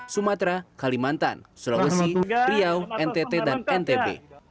sumatera kalimantan sulawesi riau ntt dan ntb